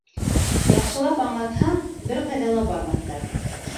Яҡшылап аңлатһаң, бер ҡайҙа ла бармаҫтар.